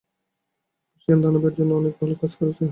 ঊশিয়ান দানবদের জন্য অনেক ভালো কাজ করেছে।